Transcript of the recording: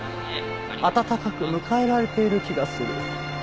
温かく迎えられている気がする。